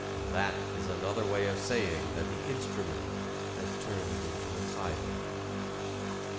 That is another way of saying that the instrument has turned into an idol.